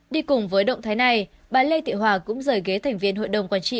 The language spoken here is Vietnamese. đi cùng với động thái này bà lê thị hòa cũng rời ghế thành viên hội đồng quản trị